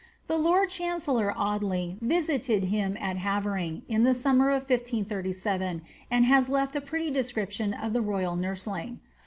The lord chancellor Audley visited him at Have ring, in the summer of 1 537, and has left a pretty description of the royal nursling.